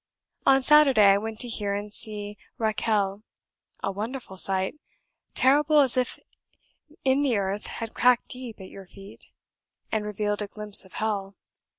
On Saturday I went to hear and see Rachel; a wonderful sight terrible as if the earth had cracked deep at your feet, and revealed a glimpse of hell.